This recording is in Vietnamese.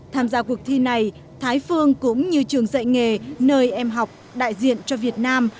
tham gia cuộc thi này thái phương cũng như trường dạy nghề nơi em học đại diện cho việt nam